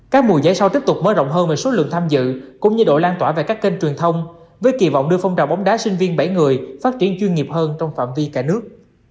các mùa giải sau tiếp tục mở rộng hơn về số lượng tham dự cũng như độ lan tỏa về các kênh truyền thông với kỳ vọng đưa phong trào bóng đá sinh viên bảy người phát triển chuyên nghiệp hơn trong phạm vi cả nước